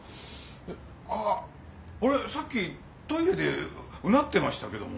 あっあれさっきトイレで唸ってましたけども。